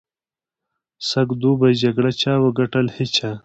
سږ دوبي جګړه چا وګټل؟ هېچا.